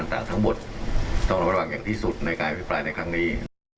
ต่างทั้งหมดต้องระวังอย่างที่สุดในการอภิปรายในครั้งนี้